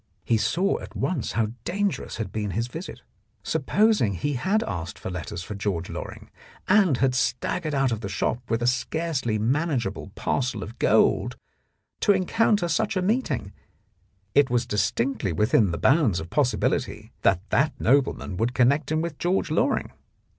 He saw at once how dangerous had been his visit. Supposing he had asked for letters for George Loring and had staggered out of the shop with a scarcely manageable parcel of gold, to encounter such a meeting, it was distinctly within the bounds of possibility that that nobleman would connect him with George Loring.